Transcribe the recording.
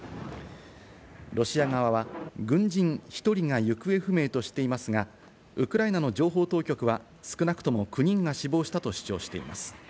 ロシア側は軍人１人が行方不明としていますが、ウクライナの情報当局は、少なくとも９人が死亡したと主張しています。